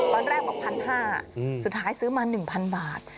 ตอนแรกบอก๑๕๐๐บาทสุดท้ายซื้อมา๑๐๐บาท